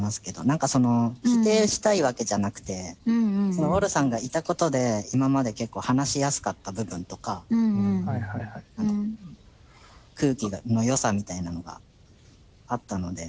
何かその否定したいわけじゃなくてウォルさんがいたことで今まで結構話しやすかった部分とか空気の良さみたいなのがあったので。